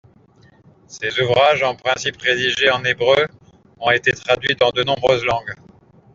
Ses ouvrages, en principe rédigés en hébreu, ont été traduits dans de nombreuses langues.